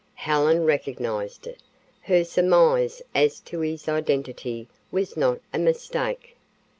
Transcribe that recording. Helen recognized it. Her surmise as to his identity was not a mistake.